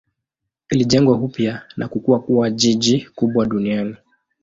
Ilijengwa upya na kukua kuwa jiji kubwa duniani.